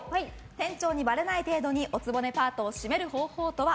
店長にばれない程度にお局パートをシメる方法とは？